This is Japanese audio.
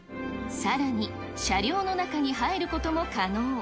さらに、車両の中に入ることも可能。